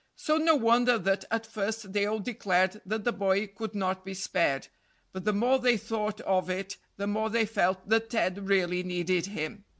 So no wonder that at first they all declared that the boy could not be spared; but the more they thought of it the more they felt that Ted really needed him.